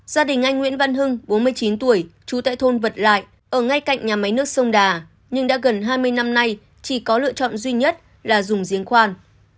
gia đình anh nguyễn văn hưng bốn mươi chín tuổi trú tại thôn vật lại ở ngay cạnh nhà máy nước sông đà nhưng đã gần hai mươi năm nay chỉ có lựa chọn duy nhất là dùng giếng khoan